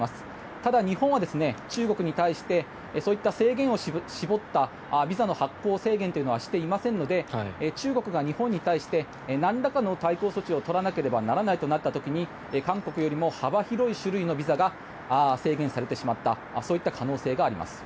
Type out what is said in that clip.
ただ、日本は中国に対してそういった制限を絞ったビザの発行制限というのはしていませんので中国が日本に対してなんらかの対抗措置を取らなければならないとなった時に韓国よりも幅広い種類のビザが制限されてしまったそういった可能性があります。